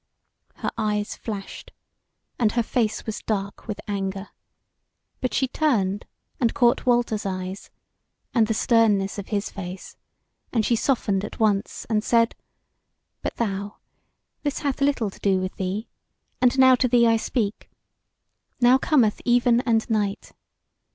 Her eyes flashed, and her face was dark with anger; but she turned and caught Walter's eyes, and the sternness of his face, and she softened at once, and said: "But thou! this hath little to do with thee; and now to thee I speak: Now cometh even and night.